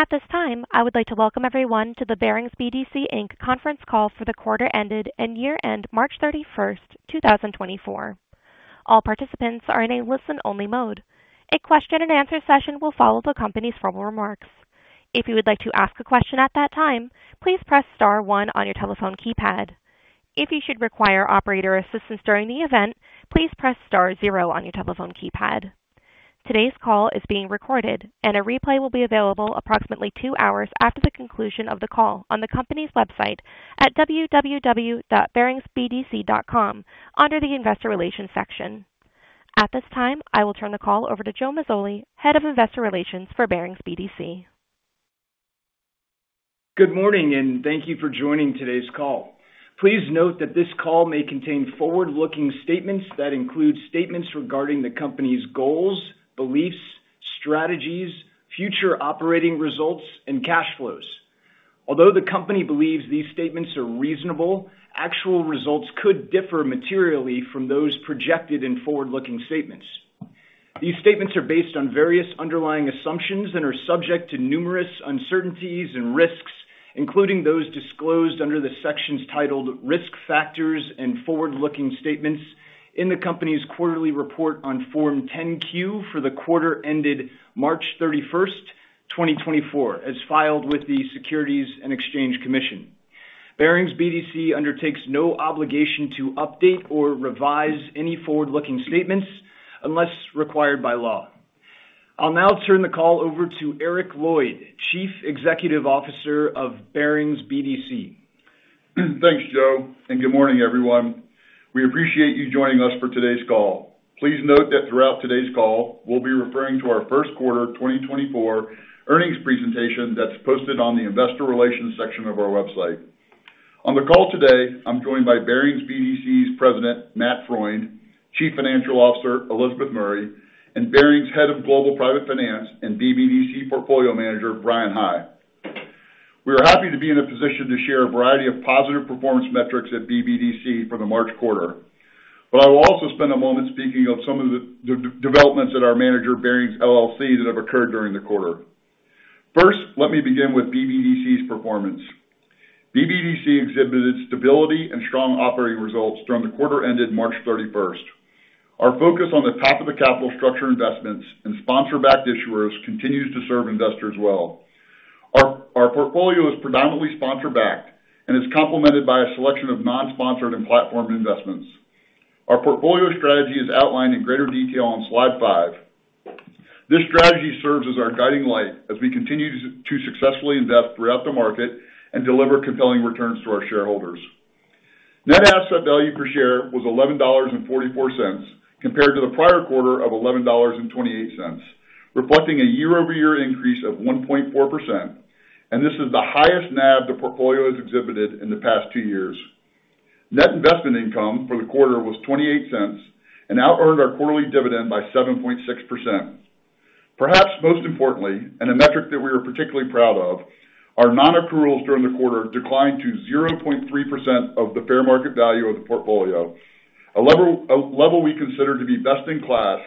At this time, I would like to welcome everyone to the Barings BDC, Inc. conference call for the quarter ended and year-end March 31st, 2024. All participants are in a listen-only mode. A Q&A session will follow the company's formal remarks. If you would like to ask a question at that time, please press star one on your telephone keypad. If you should require operator assistance during the event, please press star 0 on your telephone keypad. Today's call is being recorded, and a replay will be available approximately two hours after the conclusion of the call on the company's website at www.baringsbdc.com under the Investor Relations section. At this time, I will turn the call over to Joe Mazzoli, Head of Investor Relations for Barings BDC. Good morning, and thank you for joining today's call. Please note that this call may contain forward-looking statements that include statements regarding the company's goals, beliefs, strategies, future operating results, and cash flows. Although the company believes these statements are reasonable, actual results could differ materially from those projected in forward-looking statements. These statements are based on various underlying assumptions and are subject to numerous uncertainties and risks, including those disclosed under the sections titled Risk Factors and Forward-Looking Statements in the company's quarterly report on Form 10-Q for the quarter ended March 31st, 2024, as filed with the Securities and Exchange Commission. Barings BDC undertakes no obligation to update or revise any forward-looking statements unless required by law. I'll now turn the call over to Eric Lloyd, Chief Executive Officer of Barings BDC. Thanks, Joe, and good morning, everyone. We appreciate you joining us for today's call. Please note that throughout today's call, we'll be referring to our first quarter 2024 earnings presentation that's posted on the Investor Relations section of our website. On the call today, I'm joined by Barings BDC's President, Matt Freund, Chief Financial Officer, Elizabeth Murray, and Barings Head of Global Private Finance and BBDC Portfolio Manager, Bryan High. We are happy to be in a position to share a variety of positive performance metrics at BBDC for the March quarter, but I will also spend a moment speaking of some of the developments at our manager, Barings LLC, that have occurred during the quarter. First, let me begin with BBDC's performance. BBDC exhibited stability and strong operating results during the quarter ended March 31st. Our focus on the top-of-the-capital structure investments and sponsor-backed issuers continues to serve investors well. Our portfolio is predominantly sponsor-backed and is complemented by a selection of non-sponsored and platform investments. Our portfolio strategy is outlined in greater detail on slide five. This strategy serves as our guiding light as we continue to successfully invest throughout the market and deliver compelling returns to our shareholders. Net Asset Value per share was $11.44 compared to the prior quarter of $11.28, reflecting a year-over-year increase of 1.4%, and this is the highest NAV the portfolio has exhibited in the past two years. Net Investment Income for the quarter was $0.28 and out-earned our quarterly dividend by 7.6%. Perhaps most importantly, and a metric that we are particularly proud of, our non-accruals during the quarter declined to 0.3% of the fair market value of the portfolio, a level we consider to be best-in-class,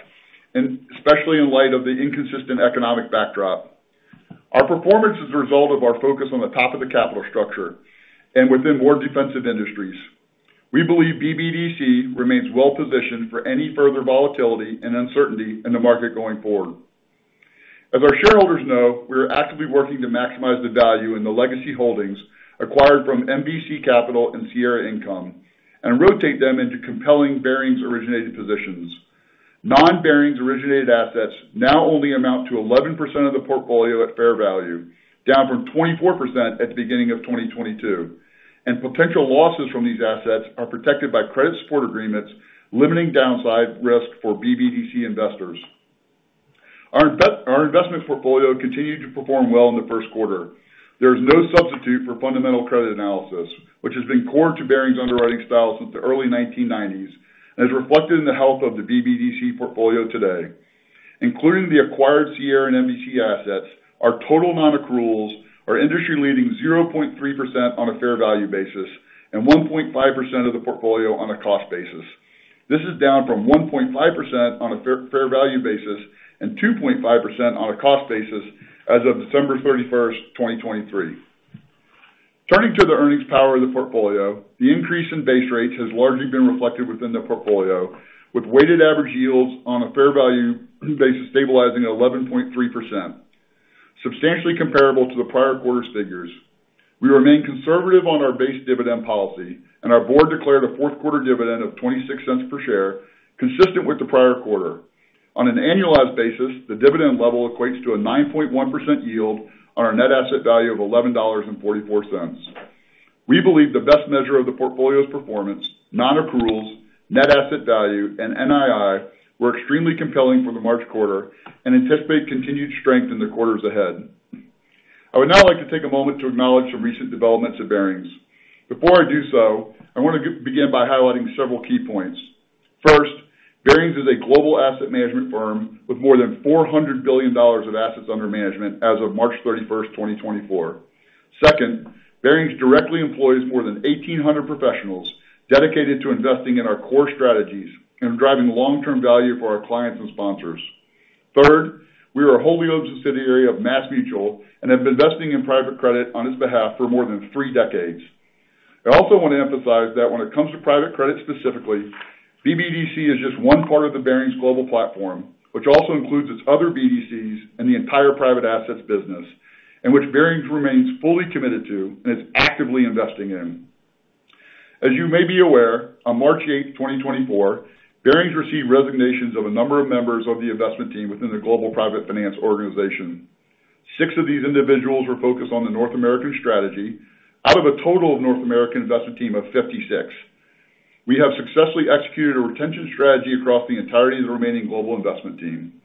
especially in light of the inconsistent economic backdrop. Our performance is a result of our focus on the top of the capital structure and within more defensive industries. We believe BBDC remains well-positioned for any further volatility and uncertainty in the market going forward. As our shareholders know, we are actively working to maximize the value in the legacy holdings acquired from MVC Capital and Sierra Income and rotate them into compelling Barings-originated positions. Non-Barings-originated assets now only amount to 11% of the portfolio at fair value, down from 24% at the beginning of 2022, and potential losses from these assets are protected by credit support agreements limiting downside risk for BBDC investors. Our investment portfolio continued to perform well in the first quarter. There is no substitute for fundamental credit analysis, which has been core to Barings' underwriting style since the early 1990s and is reflected in the health of the BBDC portfolio today. Including the acquired Sierra and MVC assets, our total non-accruals are industry-leading 0.3% on a fair value basis and 1.5% of the portfolio on a cost basis. This is down from 1.5% on a fair value basis and 2.5% on a cost basis as of December 31st, 2023. Turning to the earnings power of the portfolio, the increase in base rates has largely been reflected within the portfolio, with weighted average yields on a fair value basis stabilizing at 11.3%, substantially comparable to the prior quarter's figures. We remain conservative on our base dividend policy, and our board declared a fourth-quarter dividend of $0.26 per share, consistent with the prior quarter. On an annualized basis, the dividend level equates to a 9.1% yield on our net asset value of $11.44. We believe the best measure of the portfolio's performance, non-accruals, net asset value, and NII were extremely compelling for the March quarter and anticipate continued strength in the quarters ahead. I would now like to take a moment to acknowledge some recent developments at Barings. Before I do so, I want to begin by highlighting several key points. First, Barings is a global asset management firm with more than $400 billion of assets under management as of March 31st, 2024. Second, Barings directly employs more than 1,800 professionals dedicated to investing in our core strategies and driving long-term value for our clients and sponsors. Third, we are a wholly owned subsidiary of MassMutual and have been investing in private credit on its behalf for more than three decades. I also want to emphasize that when it comes to private credit specifically, BBDC is just one part of the Barings global platform, which also includes its other BDCs and the entire private assets business, and which Barings remains fully committed to and is actively investing in. As you may be aware, on March 8th, 2024, Barings received resignations of a number of members of the investment team within the Global Private Finance organization. Six of these individuals were focused on the North American strategy out of a total of North American investment team of 56. We have successfully executed a retention strategy across the entirety of the remaining global investment team.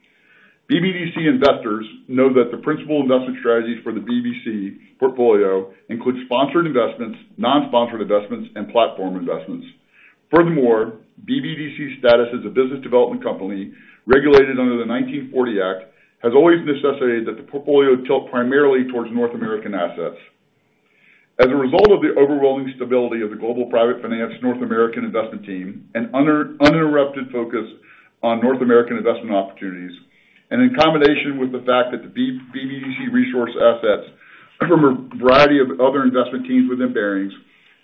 BBDC investors know that the principal investment strategies for the BBDC portfolio include sponsored investments, non-sponsored investments, and platform investments. Furthermore, BBDC's status as a business development company regulated under the 1940 Act has always necessitated that the portfolio tilt primarily towards North American assets. As a result of the overwhelming stability of the Global Private Finance North American investment team, an uninterrupted focus on North American investment opportunities, and in combination with the fact that the BBDC sourced assets from a variety of other investment teams within Barings,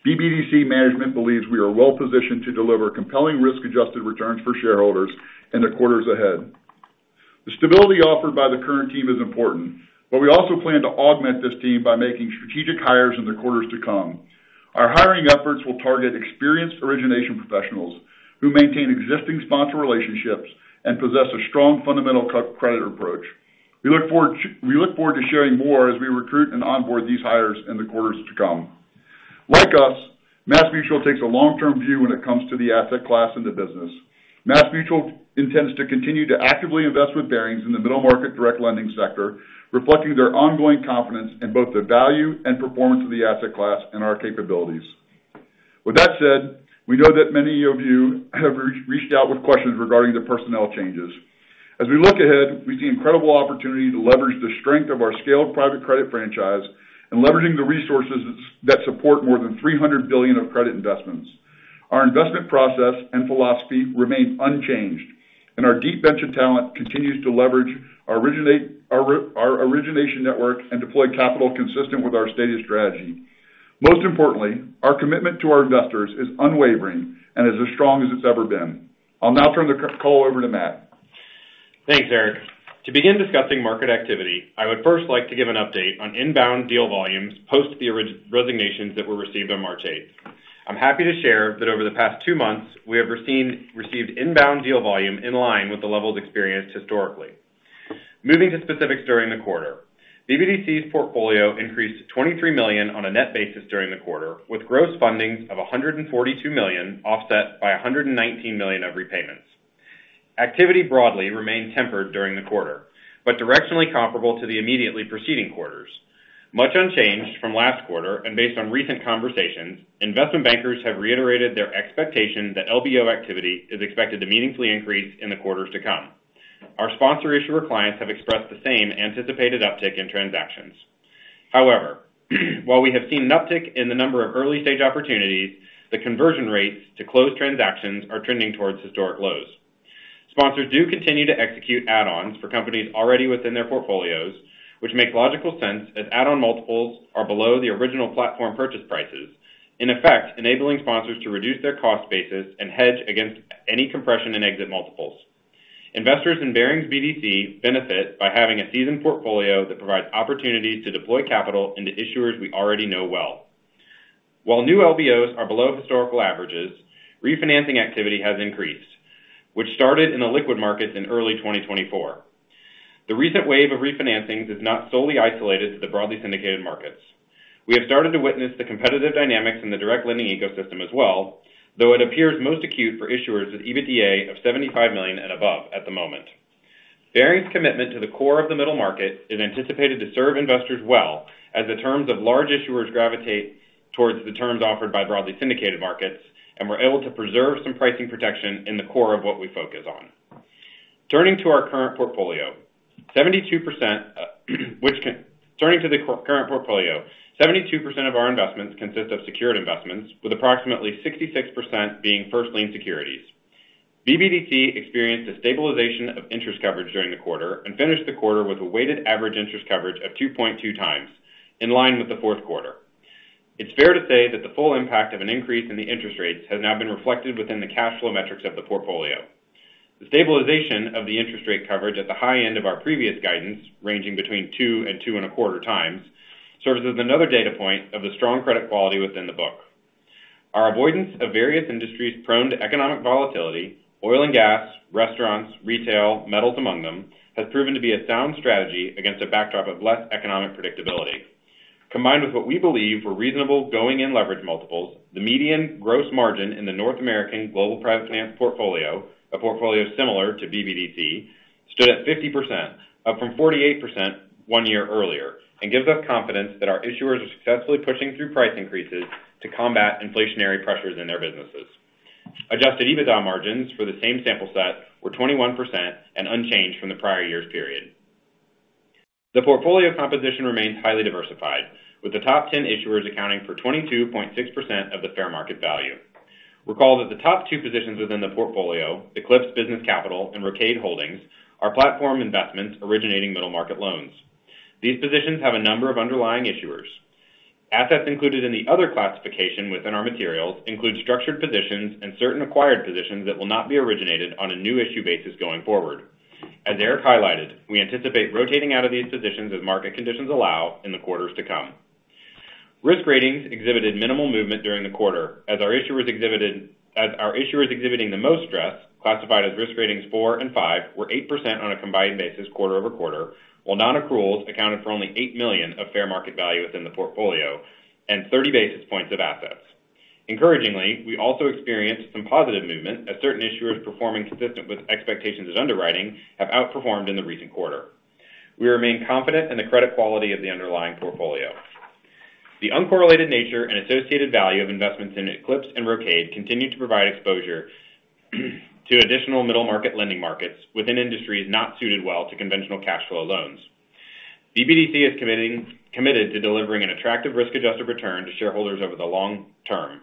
BBDC management believes we are well-positioned to deliver compelling risk-adjusted returns for shareholders in the quarters ahead. The stability offered by the current team is important, but we also plan to augment this team by making strategic hires in the quarters to come. Our hiring efforts will target experienced origination professionals who maintain existing sponsor relationships and possess a strong fundamental credit approach. We look forward to sharing more as we recruit and onboard these hires in the quarters to come. Like us, MassMutual takes a long-term view when it comes to the asset class and the business. MassMutual intends to continue to actively invest with Barings in the middle market direct lending sector, reflecting their ongoing confidence in both the value and performance of the asset class and our capabilities. With that said, we know that many of you have reached out with questions regarding the personnel changes. As we look ahead, we see incredible opportunity to leverage the strength of our scaled private credit franchise and leveraging the resources that support more than $300 billion of credit investments. Our investment process and philosophy remain unchanged, and our deep bench of talent continues to leverage our origination network and deploy capital consistent with our stated strategy. Most importantly, our commitment to our investors is unwavering and is as strong as it's ever been. I'll now turn the call over to Matt. Thanks, Eric. To begin discussing market activity, I would first like to give an update on inbound deal volumes post the resignations that were received on March 8th. I'm happy to share that over the past two months, we have received inbound deal volume in line with the levels experienced historically. Moving to specifics during the quarter, BBDC's portfolio increased $23 million on a net basis during the quarter, with gross fundings of $142 million offset by $119 million of repayments. Activity broadly remained tempered during the quarter, but directionally comparable to the immediately preceding quarters. Much unchanged from last quarter, and based on recent conversations, investment bankers have reiterated their expectation that LBO activity is expected to meaningfully increase in the quarters to come. Our sponsor-issuer clients have expressed the same anticipated uptick in transactions. However, while we have seen an uptick in the number of early-stage opportunities, the conversion rates to closed transactions are trending towards historic lows. Sponsors do continue to execute add-ons for companies already within their portfolios, which makes logical sense as add-on multiples are below the original platform purchase prices, in effect enabling sponsors to reduce their cost basis and hedge against any compression in exit multiples. Investors in Barings BDC benefit by having a seasoned portfolio that provides opportunities to deploy capital into issuers we already know well. While new LBOs are below historical averages, refinancing activity has increased, which started in the liquid markets in early 2024. The recent wave of refinancings is not solely isolated to the broadly syndicated markets. We have started to witness the competitive dynamics in the direct lending ecosystem as well, though it appears most acute for issuers with EBITDA of $75 million and above at the moment. Barings' commitment to the core of the middle market is anticipated to serve investors well as the terms of large issuers gravitate towards the terms offered by broadly syndicated markets, and we're able to preserve some pricing protection in the core of what we focus on. Turning to our current portfolio, 72% of our investments consist of secured investments, with approximately 66% being first-lien securities. BBDC experienced a stabilization of interest coverage during the quarter and finished the quarter with a weighted average interest coverage of 2.2x, in line with the fourth quarter. It's fair to say that the full impact of an increase in the interest rates has now been reflected within the cash flow metrics of the portfolio. The stabilization of the interest rate coverage at the high end of our previous guidance, ranging between 2x and 2.25x, serves as another data point of the strong credit quality within the book. Our avoidance of various industries prone to economic volatility - oil and gas, restaurants, retail, metals among them - has proven to be a sound strategy against a backdrop of less economic predictability. Combined with what we believe were reasonable going-in leverage multiples, the median gross margin in the North American Global Private Finance portfolio - a portfolio similar to BBDC - stood at 50%, up from 48% one year earlier, and gives us confidence that our issuers are successfully pushing through price increases to combat inflationary pressures in their businesses. Adjusted EBITDA margins for the same sample set were 21% and unchanged from the prior year's period. The portfolio composition remains highly diversified, with the top 10 issuers accounting for 22.6% of the fair market value. Recall that the top two positions within the portfolio, Eclipse Business Capital and Rocade Holdings, are platform investments originating middle market loans. These positions have a number of underlying issuers. Assets included in the other classification within our materials include structured positions and certain acquired positions that will not be originated on a new issue basis going forward. As Eric highlighted, we anticipate rotating out of these positions as market conditions allow in the quarters to come. Risk ratings exhibited minimal movement during the quarter as our issuers exhibiting the most stress, classified as risk ratings four and five, were 8% on a combined basis quarter-over-quarter, while non-accruals accounted for only $8 million of fair market value within the portfolio and 30 basis points of assets. Encouragingly, we also experienced some positive movement as certain issuers performing consistent with expectations at underwriting have outperformed in the recent quarter. We remain confident in the credit quality of the underlying portfolio. The uncorrelated nature and associated value of investments in Eclipse and Rocade continue to provide exposure to additional middle market lending markets within industries not suited well to conventional cash flow loans. BBDC is committed to delivering an attractive risk-adjusted return to shareholders over the long term.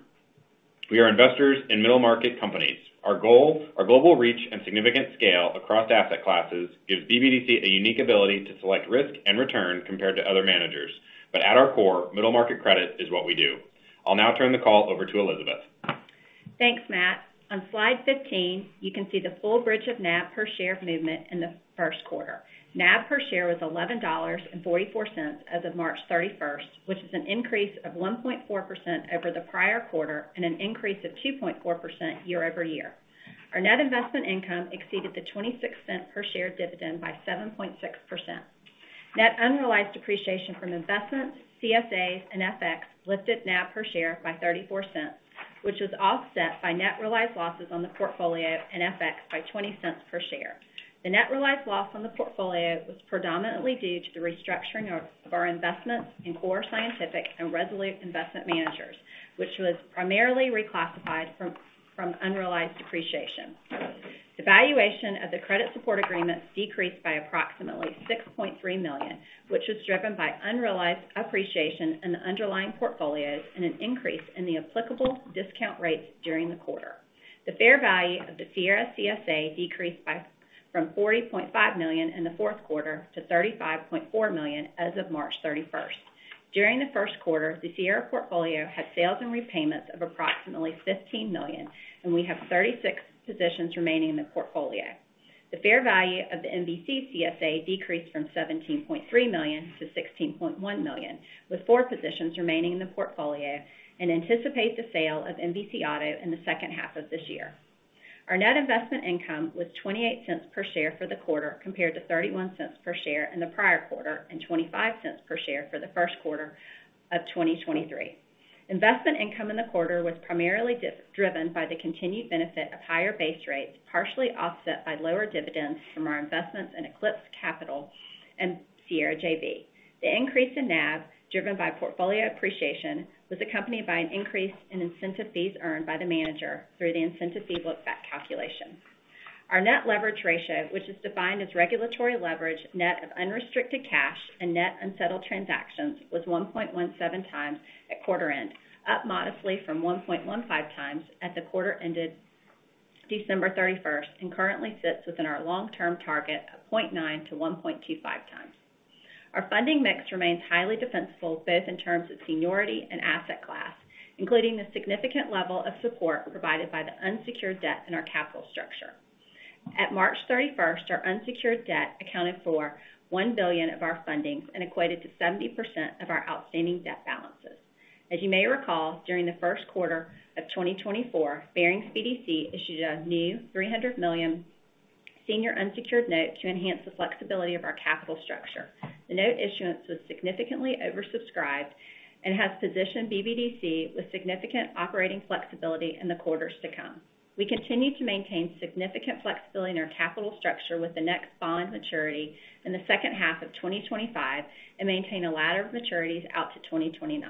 We are investors in middle market companies. Our goal, our global reach, and significant scale across asset classes give BBDC a unique ability to select risk and return compared to other managers. But at our core, middle market credit is what we do. I'll now turn the call over to Elizabeth. Thanks, Matt. On slide 15, you can see the full bridge of NAV per share movement in the first quarter. NAV per share was $11.44 as of March 31st, which is an increase of 1.4% over the prior quarter and an increase of 2.4% year-over-year. Our net investment income exceeded the $0.26 per share dividend by 7.6%. Net unrealized depreciation from investments, CSAs, and FX lifted NAV per share by $0.34, which was offset by net realized losses on the portfolio and FX by $0.20 per share. The net realized loss on the portfolio was predominantly due to the restructuring of our investments in Core Scientific and Resolute Investment Managers, which was primarily reclassified from unrealized depreciation. The valuation of the credit support agreements decreased by approximately $6.3 million, which was driven by unrealized appreciation in the underlying portfolios and an increase in the applicable discount rates during the quarter. The fair value of the Sierra CSA decreased from $40.5 million in the fourth quarter to $35.4 million as of March 31st. During the first quarter, the Sierra portfolio had sales and repayments of approximately $15 million, and we have 36 positions remaining in the portfolio. The fair value of the MVC CSA decreased from $17.3 million-$16.1 million, with four positions remaining in the portfolio and anticipate the sale of MVC Auto in the second half of this year. Our net investment income was $0.28 per share for the quarter compared to $0.31 per share in the prior quarter and $0.25 per share for the first quarter of 2023. Investment income in the quarter was primarily driven by the continued benefit of higher base rates, partially offset by lower dividends from our investments in Eclipse Capital and Sierra JV. The increase in NAV, driven by portfolio appreciation, was accompanied by an increase in incentive fees earned by the manager through the incentive fee lookback calculation. Our net leverage ratio, which is defined as regulatory leverage net of unrestricted cash and net unsettled transactions, was 1.17x at quarter end, up modestly from 1.15x at the quarter ended December 31st, and currently sits within our long-term target of 0.9x-1.25x. Our funding mix remains highly defensible both in terms of seniority and asset class, including the significant level of support provided by the unsecured debt in our capital structure. At March 31st, our unsecured debt accounted for $1 billion of our fundings and equated to 70% of our outstanding debt balances. As you may recall, during the first quarter of 2024, Barings BDC issued a new $300 million senior unsecured note to enhance the flexibility of our capital structure. The note issuance was significantly oversubscribed and has positioned BBDC with significant operating flexibility in the quarters to come. We continue to maintain significant flexibility in our capital structure with the next bond maturity in the second half of 2025 and maintain a ladder of maturities out to 2029.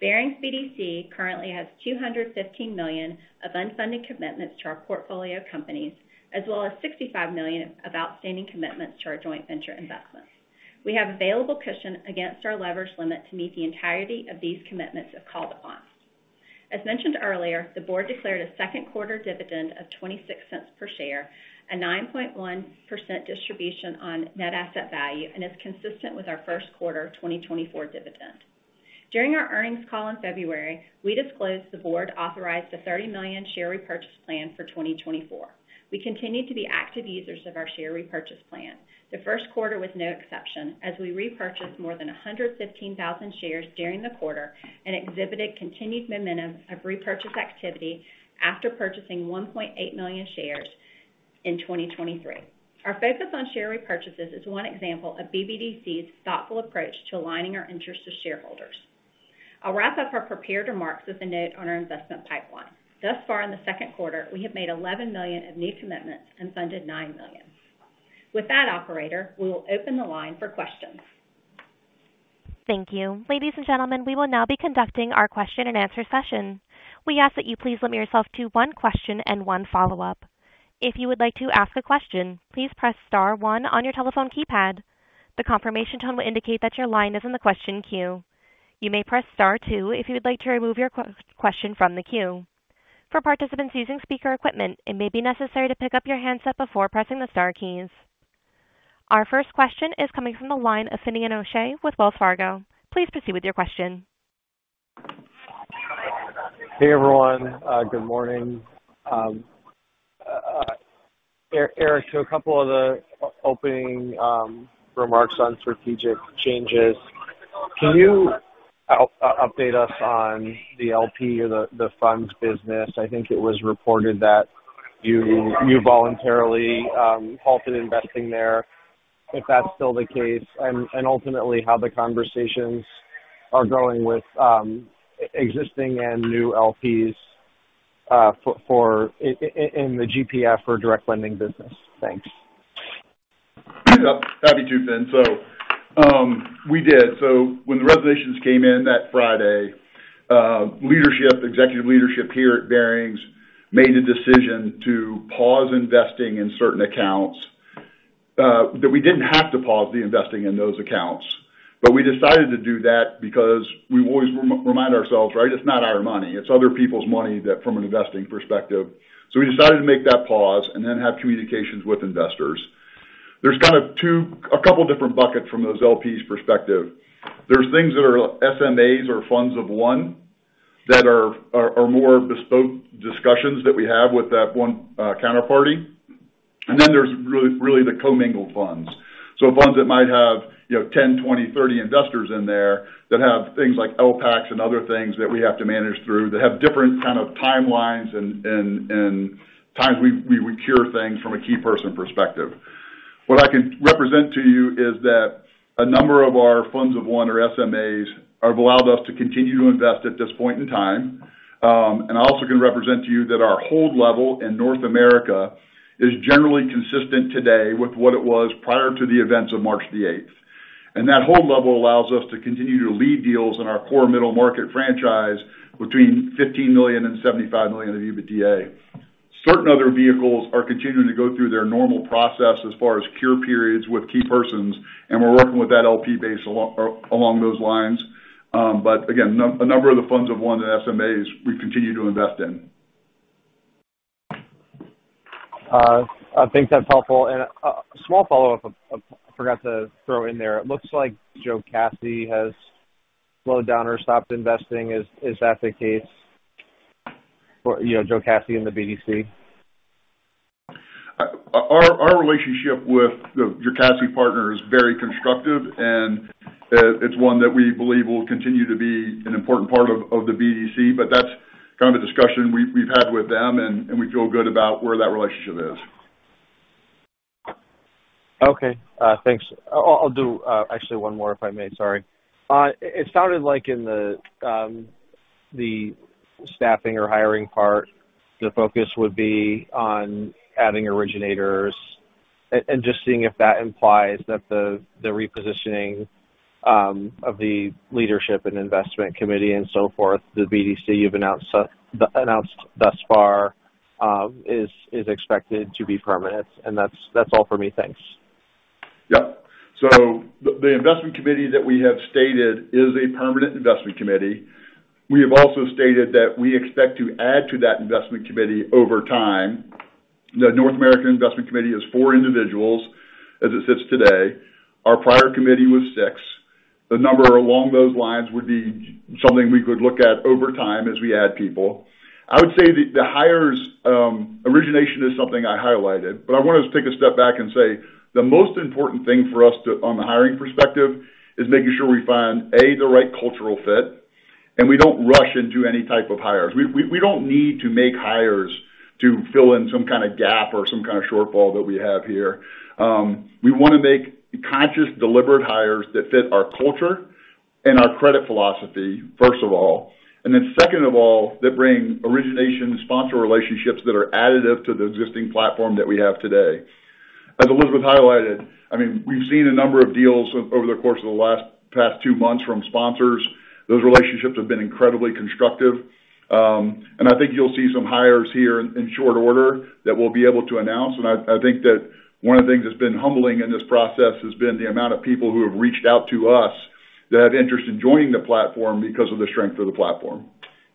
Barings BDC currently has $215 million of unfunded commitments to our portfolio companies, as well as $65 million of outstanding commitments to our joint venture investments. We have available cushion against our leverage limit to meet the entirety of these commitments without calling down funds. As mentioned earlier, the board declared a second quarter dividend of $0.26 per share, a 9.1% distribution on Net Asset Value, and is consistent with our first quarter 2024 dividend. During our earnings call in February, we disclosed the board authorized a $30 million share repurchase plan for 2024. We continue to be active users of our share repurchase plan. The first quarter was no exception, as we repurchased more than 115,000 shares during the quarter and exhibited continued momentum of repurchase activity after purchasing 1.8 million shares in 2023. Our focus on share repurchases is one example of BBDC's thoughtful approach to aligning our interests with shareholders. I'll wrap up our prepared remarks with a note on our investment pipeline. Thus far, in the second quarter, we have made $11 million of new commitments and funded $9 million. With that, operator, we will open the line for questions. Thank you. Ladies and gentlemen, we will now be conducting our Q&A session. We ask that you please limit yourself to one question and one follow-up. If you would like to ask a question, please press star one on your telephone keypad. The confirmation tone will indicate that your line is in the question queue. You may press star two if you would like to remove your question from the queue. For participants using speaker equipment, it may be necessary to pick up your handset before pressing the star keys. Our first question is coming from the line of Finian O'Shea with Wells Fargo. Please proceed with your question. Hey, everyone. Good morning. Eric, to a couple of the opening remarks on strategic changes, can you update us on the LP or the funds business? I think it was reported that you voluntarily halted investing there, if that's still the case, and ultimately how the conversations are going with existing and new LPs in the GPF or direct lending business. Thanks. Yep. Happy to, Finn. So we did. So when the resignations came in that Friday, executive leadership here at Barings made a decision to pause investing in certain accounts that we didn't have to pause the investing in those accounts, but we decided to do that because we always remind ourselves, right? It's not our money. It's other people's money from an investing perspective. So we decided to make that pause and then have communications with investors. There's kind of a couple of different buckets from those LPs' perspective. There's things that are SMAs or funds of one that are more bespoke discussions that we have with that one counterparty. Then there's really the commingled funds, so funds that might have 10, 20, 30 investors in there that have things like LPACs and other things that we have to manage through that have different kind of timelines and times we would cure things from a key person perspective. What I can represent to you is that a number of our funds of one or SMAs have allowed us to continue to invest at this point in time. That hold level in North America is generally consistent today with what it was prior to the events of March 8th. That hold level allows us to continue to lead deals in our core middle market franchise between $15 million and $75 million of EBITDA. Certain other vehicles are continuing to go through their normal process as far as cure periods with key persons, and we're working with that LP base along those lines. But again, a number of the funds of one and SMAs, we continue to invest in. I think that's helpful. A small follow-up I forgot to throw in there. It looks like Jocassee has slowed down or stopped investing. Is that the case? Jocassee and the BDC? Our relationship with the Jocassee partner is very constructive, and it's one that we believe will continue to be an important part of the BDC. But that's kind of a discussion we've had with them, and we feel good about where that relationship is. Okay. Thanks. I'll do actually one more, if I may. Sorry. It sounded like in the staffing or hiring part, the focus would be on adding originators and just seeing if that implies that the repositioning of the leadership and investment committee and so forth, the BDC you've announced thus far, is expected to be permanent. That's all for me. Thanks. Yep. So the investment committee that we have stated is a permanent investment committee. We have also stated that we expect to add to that investment committee over time. The North American Investment Committee is four individuals as it sits today. Our prior committee was six. The number along those lines would be something we could look at over time as we add people. I would say the hires' origination is something I highlighted, but I want to take a step back and say the most important thing for us on the hiring perspective is making sure we find, a, the right cultural fit, and we don't rush into any type of hires. We don't need to make hires to fill in some kind of gap or some kind of shortfall that we have here. We want to make conscious, deliberate hires that fit our culture and our credit philosophy, first of all, and then second of all, that bring origination sponsor relationships that are additive to the existing platform that we have today. As Elizabeth highlighted, I mean, we've seen a number of deals over the course of the last past two months from sponsors. Those relationships have been incredibly constructive. I think you'll see some hires here in short order that we'll be able to announce. I think that one of the things that's been humbling in this process has been the amount of people who have reached out to us that have interest in joining the platform because of the strength of the platform.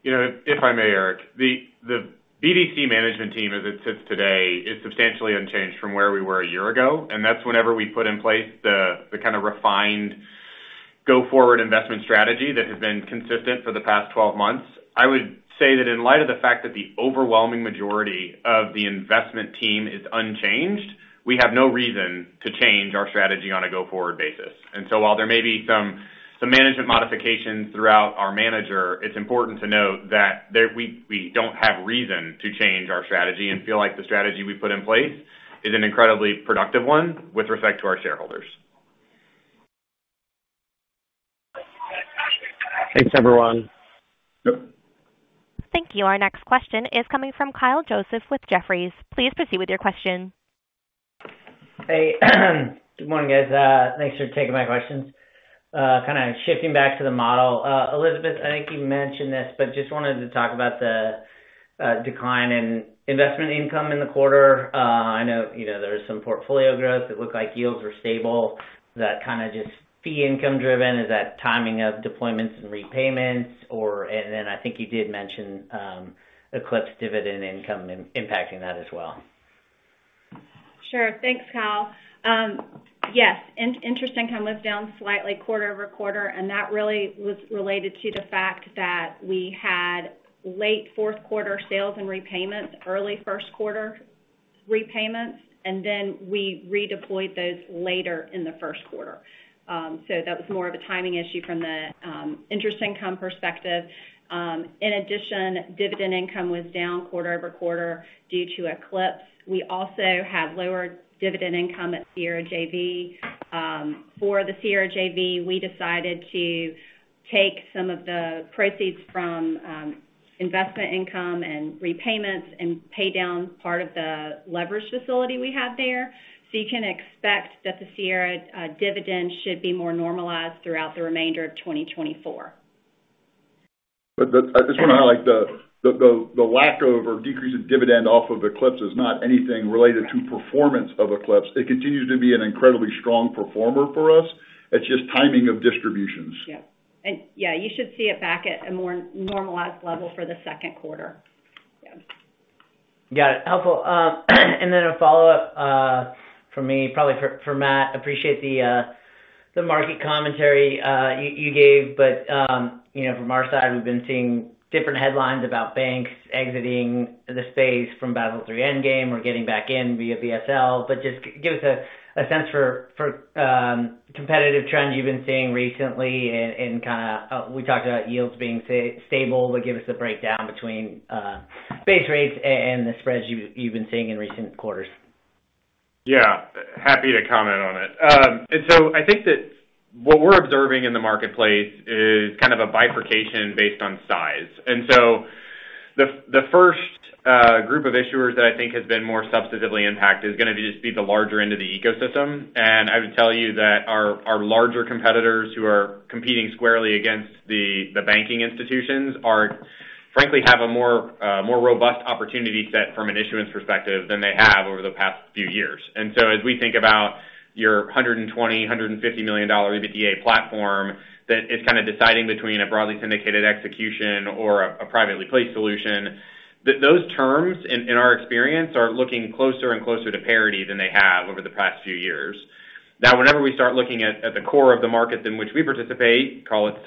If I may, Eric, the BDC management team as it sits today is substantially unchanged from where we were a year ago. And that's whenever we put in place the kind of refined go-forward investment strategy that has been consistent for the past 12 months. I would say that in light of the fact that the overwhelming majority of the investment team is unchanged, we have no reason to change our strategy on a go-forward basis. And so while there may be some management modifications throughout our manager, it's important to note that we don't have reason to change our strategy and feel like the strategy we put in place is an incredibly productive one with respect to our shareholders. Thanks, everyone. Thank you. Our next question is coming from Kyle Joseph with Jefferies. Please proceed with your question. Hey. Good morning, guys. Thanks for taking my questions. Kind of shifting back to the model, Elizabeth, I think you mentioned this, but just wanted to talk about the decline in investment income in the quarter. I know there was some portfolio growth. It looked like yields were stable. Is that kind of just fee income-driven? Is that timing of deployments and repayments? And then I think you did mention Eclipse dividend income impacting that as well. Sure. Thanks, Kyle. Yes. Interest income is down slightly quarter-over-quarter, and that really was related to the fact that we had late fourth quarter sales and repayments, early first quarter repayments, and then we redeployed those later in the first quarter. So that was more of a timing issue from the interest income perspective. In addition, dividend income was down quarter-over-quarter due to Eclipse. We also have lower dividend income at Sierra JV. For the Sierra JV, we decided to take some of the proceeds from investment income and repayments and pay down part of the leverage facility we have there. So you can expect that the Sierra dividend should be more normalized throughout the remainder of 2024. I just want to highlight the lack of or decrease in dividend off of Eclipse is not anything related to performance of Eclipse. It continues to be an incredibly strong performer for us. It's just timing of distributions. Yep. And yeah, you should see it back at a more normalized level for the second quarter. Yeah. Got it. Helpful. Then a follow-up from me, probably for Matt. Appreciate the market commentary you gave. But from our side, we've been seeing different headlines about banks exiting the space from Basel III Endgame or getting back in via BSL. But just give us a sense for competitive trends you've been seeing recently. And kind of we talked about yields being stable, but give us the breakdown between base rates and the spreads you've been seeing in recent quarters. Yeah. Happy to comment on it. I think that what we're observing in the marketplace is kind of a bifurcation based on size. The first group of issuers that I think has been more substantively impacted is going to just be the larger end of the ecosystem. I would tell you that our larger competitors who are competing squarely against the banking institutions frankly have a more robust opportunity set from an issuance perspective than they have over the past few years. As we think about your $120-$150 million EBITDA platform that is kind of deciding between a broadly syndicated execution or a privately placed solution, those terms, in our experience, are looking closer and closer to parity than they have over the past few years. Now, whenever we start looking at the core of the market in which we participate, call it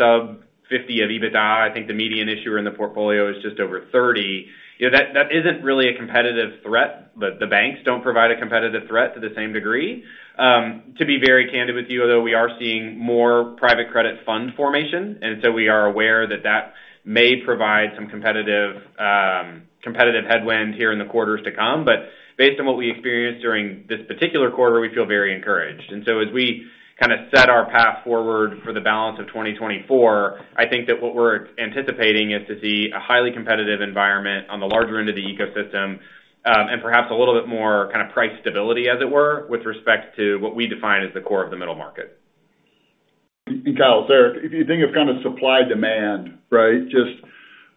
sub-50 of EBITDA, I think the median issuer in the portfolio is just over 30. That isn't really a competitive threat. The banks don't provide a competitive threat to the same degree. To be very candid with you, although we are seeing more private credit fund formation, and so we are aware that that may provide some competitive headwind here in the quarters to come. But based on what we experienced during this particular quarter, we feel very encouraged. So as we kind of set our path forward for the balance of 2024, I think that what we're anticipating is to see a highly competitive environment on the larger end of the ecosystem and perhaps a little bit more kind of price stability, as it were, with respect to what we define as the core of the middle market. And Kyle, so, if you think of kind of supply-demand, right, just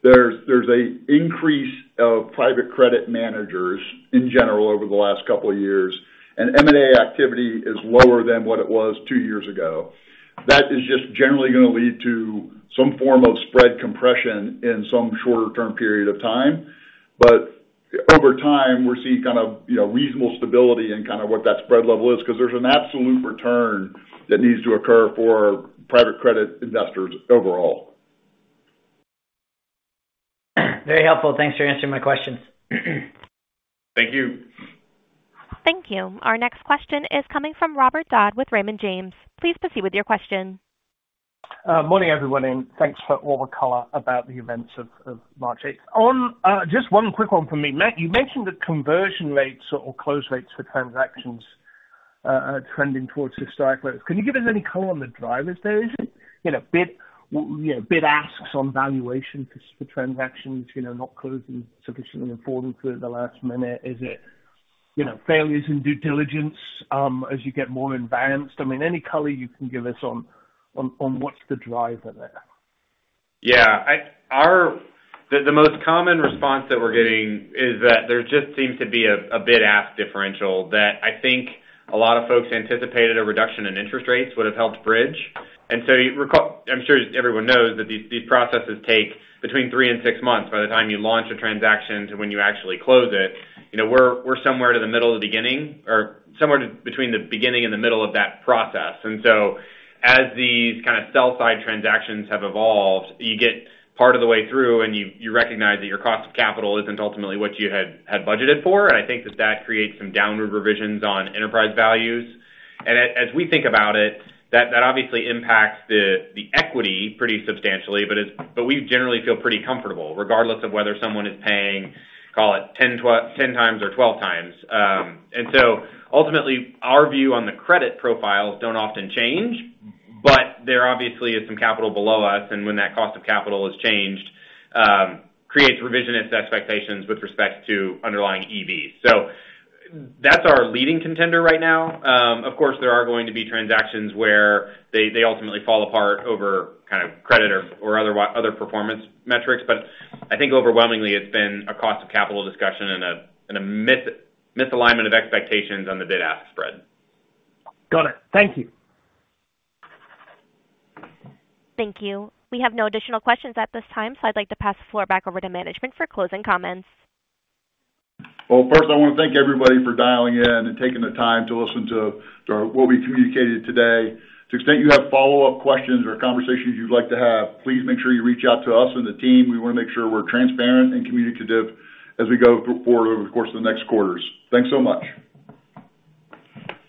there's an increase of private credit managers in general over the last couple of years, and M&A activity is lower than what it was two years ago. That is just generally going to lead to some form of spread compression in some shorter-term period of time. But over time, we're seeing kind of reasonable stability in kind of what that spread level is because there's an absolute return that needs to occur for private credit investors overall. Very helpful. Thanks for answering my questions. Thank you. Thank you. Our next question is coming from Robert Dodd with Raymond James. Please proceed with your question. Morning, everyone, and thanks for all the color about the events of March 8th. Just one quick one from me, Matt. You mentioned that conversion rates or close rates for transactions are trending towards historic lows. Can you give us any color on the drivers there? Is it bid asks on valuation for transactions not closing sufficiently important through the last minute? Is it failures in due diligence as you get more advanced? I mean, any color you can give us on what's the driver there? Yeah. The most common response that we're getting is that there just seems to be a bid-ask differential that I think a lot of folks anticipated a reduction in interest rates would have helped bridge. And so I'm sure everyone knows that these processes take between three and six months by the time you launch a transaction to when you actually close it. We're somewhere to the middle of the beginning or somewhere between the beginning and the middle of that process. And so as these kind of sell-side transactions have evolved, you get part of the way through, and you recognize that your cost of capital isn't ultimately what you had budgeted for. And I think that that creates some downward revisions on enterprise values. And as we think about it, that obviously impacts the equity pretty substantially, but we generally feel pretty comfortable regardless of whether someone is paying, call it, 10x or 12x. And so ultimately, our view on the credit profiles don't often change, but there obviously is some capital below us. And when that cost of capital has changed, it creates revisionist expectations with respect to underlying EVs. So that's our leading contender right now. Of course, there are going to be transactions where they ultimately fall apart over kind of credit or other performance metrics. But I think overwhelmingly, it's been a cost of capital discussion and a misalignment of expectations on the bid ask spread. Got it. Thank you. Thank you. We have no additional questions at this time, so I'd like to pass the floor back over to management for closing comments. Well, first, I want to thank everybody for dialing in and taking the time to listen to what we communicated today. To the extent you have follow-up questions or conversations you'd like to have, please make sure you reach out to us and the team. We want to make sure we're transparent and communicative as we go forward over the course of the next quarters. Thanks so much.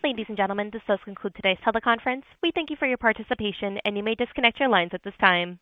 Ladies and gentlemen, this does conclude today's teleconference. We thank you for your participation, and you may disconnect your lines at this time.